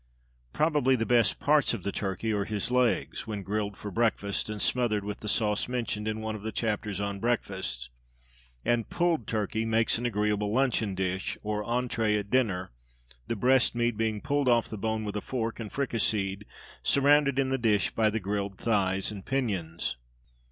Probably the best parts of the turkey are his legs, when grilled for breakfast, and smothered with the sauce mentioned in one of the chapters on "Breakfast"; and Pulled Turkey makes an agreeable luncheon dish, or entrée at dinner, the breast meat being pulled off the bone with a fork, and fricasseed, surrounded in the dish by the grilled thighs and pinions.